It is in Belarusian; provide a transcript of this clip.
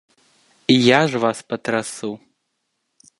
Я ж вас патрасу!